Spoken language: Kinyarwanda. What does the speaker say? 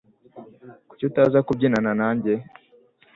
Kuki utaza kubyina nanjye?